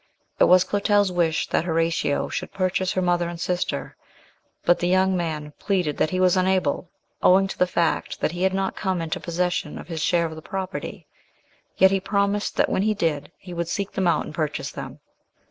It was Clotel's wish that Horatio should purchase her mother and sister, but the young man pleaded that he was unable, owing to the fact that he had not come into possession of his share of property, yet he promised that when he did, he would seek them out and purchase them.